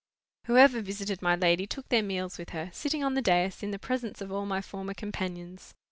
Whoever visited my lady took their meals with her, sitting on the dais, in the presence of all my former companions.